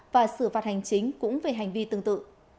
và xử phạt hành chính cũng về hành vi tương tự